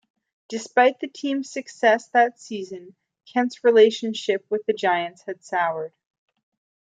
Despite the team's success that season, Kent's relationship with the Giants had soured.